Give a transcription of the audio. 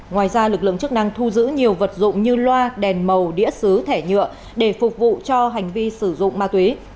ngoài ra lực lượng chức năng thu giữ nhiều vật dụng như loa đèn màu đĩa xứ thẻ nhựa để phục vụ cho hành vi sử dụng ma túy